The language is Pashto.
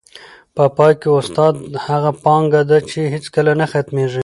په پای کي، استاد هغه پانګه ده چي هیڅکله نه ختمېږي.